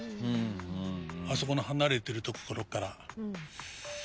あそこの離れてる所から。